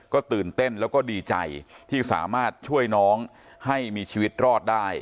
ก็ตื่นเต้นแล้วก็ดีใจที่สามารถช่วยน้องให้มีชีวิตรอดได้